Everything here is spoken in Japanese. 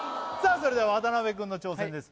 それでは渡辺くんの挑戦です